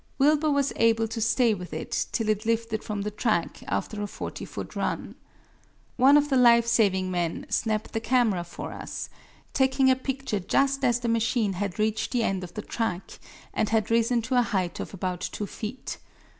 Wilbur was able to stay with it till it lifted from the track after a forty foot run. One of the life saving men snapped the camera for us, taking a picture just as the machine had reached the end of the track and had risen to a height of about two feet.